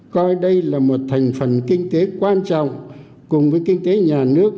coi đây là một thành phần kinh tế quan trọng cùng với kinh tế nhà nước